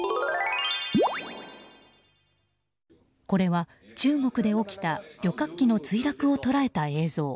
これは中国で起きた旅客機の墜落を捉えた映像。